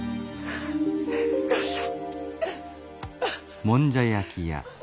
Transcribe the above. よっしゃ！